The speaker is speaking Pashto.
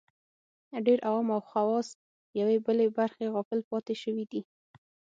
ډېر عوام او خواص یوې بلې برخې غافل پاتې شوي دي